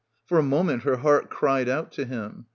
For a moment her heart cried out to him.